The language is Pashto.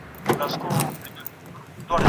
ماشومانو ته د دیني احکامو په اړه لارښوونه وکړئ.